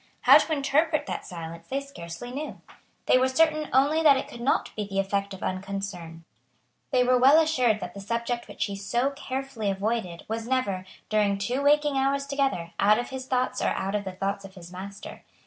How to interpret that silence they scarcely knew. They were certain only that it could not be the effect of unconcern. They were well assured that the subject which he so carefully avoided was never, during two waking hours together, out of his thoughts or out of the thoughts of his master.